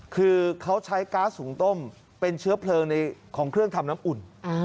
คือเขาใช้ก๊าซหุงต้มเป็นเชื้อเพลิงของเครื่องทำน้ำอุ่น